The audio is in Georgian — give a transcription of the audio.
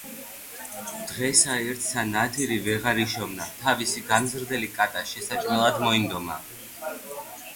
დღესა ერთსა ნადირი ვეღარ იშოვნა, თავისი გამზრდელი კატა შესაჭმელად მოინდომა.